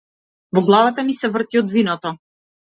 Во главата ми се врти од виното.